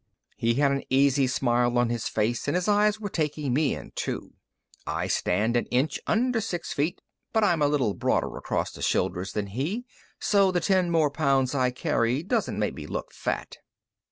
He had an easy smile on his face, and his eyes were taking me in, too. I stand an inch under six feet, but I'm a little broader across the shoulders than he, so the ten more pounds I carry doesn't make me look fat.